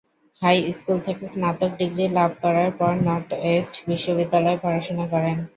High school থেকে স্নাতক degree লাভ করার পর নর্থ ওয়েস্ট বিশ্ববিদ্যালয়ে পড়াশোনা করেন।